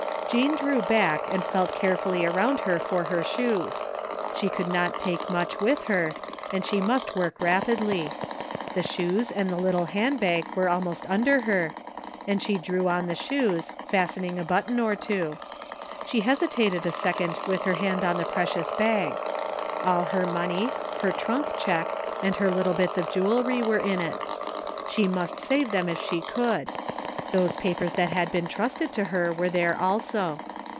Jean drew back and felt carefully around for her shoes. She could not take much with her, and she must work rapidly. The shoes and little handbag were almost under her, and she drew on the shoes, fastening a button or two. She hesitated a second with her hand on the precious bag. AH her money, her trunk check and her little bits of jewelry were in it. She must save them if she could. Those papers that had been trusted to her were there also.